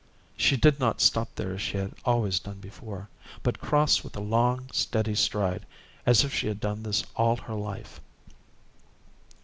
She did not stop there as she had always done before, but crossed with a long, steady stride as if she had done this all her life.